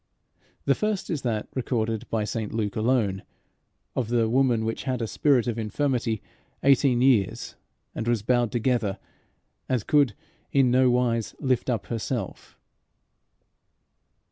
The first is that, recorded by St Luke alone, of the "woman which had a spirit of infirmity eighteen years, and was bowed together, and could in no wise lift up herself."